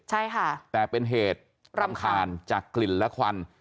ใช่ค่ะแต่เป็นเหตุรำคาญจากกลิ่นและควัน